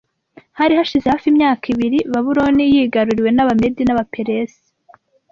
HARI hashize hafi imyaka ibiri Babuloni yigaruriwe n’Abamedi n’Abaperesi